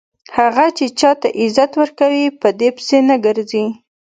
هغه چې چاته عزت ورکوي په دې پسې نه ګرځي.